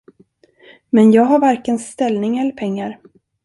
Men jag har varken ställning eller pengar.